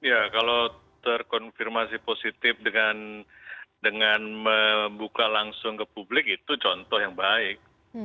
ya kalau terkonfirmasi positif dengan membuka langsung ke publik itu contoh yang baik